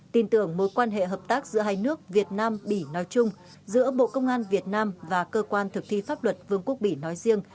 tin tưởng mối quan hệ hợp tác giữa hai nước việt nam bỉ nói chung giữa bộ công an việt nam và cơ quan thực thi pháp luật vương quốc bỉ nói riêng